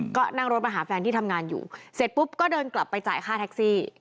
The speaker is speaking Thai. ก็นั่งรถมาหาแฟนที่ทำงานอยู่เสร็จปุ๊บก็เดินกลับไปจ่ายค่าแท็กซี่